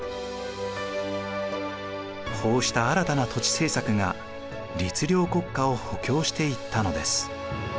こうした新たな土地政策が律令国家を補強していったのです。